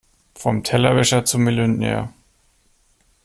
Vom Tellerwäscher zum Millionär.